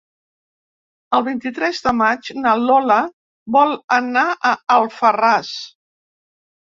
El vint-i-tres de maig na Lola vol anar a Alfarràs.